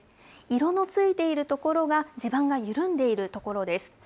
色のついている所が、地盤が緩んでいる所です。